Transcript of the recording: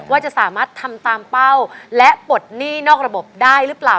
ว่าจะสามารถทำตามเป้าและปลดหนี้นอกระบบได้หรือเปล่า